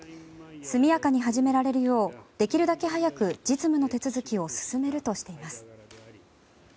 速やかに始められるようできるだけ早く実務の手続きを進めるとしています。